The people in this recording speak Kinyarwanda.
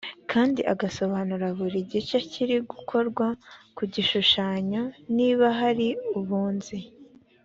kandi agasobanura buri gice kiri gukorwa ku gishushanyo niba hari ubunzi